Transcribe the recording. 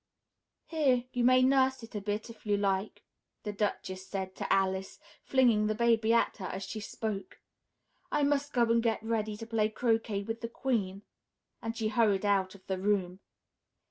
"Here! You may nurse it a bit, if you like!" the Duchess said to Alice, flinging the baby at her as she spoke. "I must go and get ready to play croquet with the Queen," and she hurried out of the room.